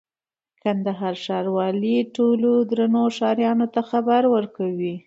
کندهار ښاروالي ټولو درنو ښاريانو ته خبر ورکوي: